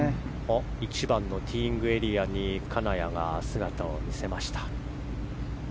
１番のティーイングエリアに金谷が姿を見せました。